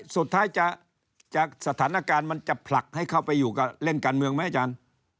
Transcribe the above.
สุดท้ายสถานการณ์มันจะผลักให้เข้าไปอยู่กับเล่นการเมืองไหมอาจารย์